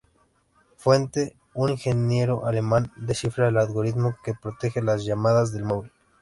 Fuente: Un ingeniero alemán descifra el algoritmo que protege las llamadas del móvil